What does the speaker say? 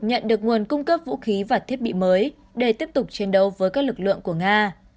nhận được nguồn cung cấp vũ khí và thiết bị mới để tiếp tục chiến đấu với các lực lượng của nga